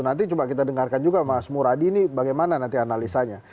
karena kita dengarkan juga mas muradi ini bagaimana nanti analisanya